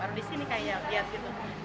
baru disini kayak melihat gitu